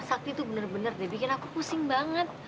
sakti tuh bener bener deh bikin aku pusing banget